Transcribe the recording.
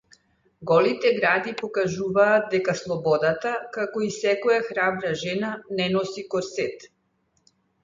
Голите гради покажуваат дека слободата, како и секоја храбра жена, не носи корсет.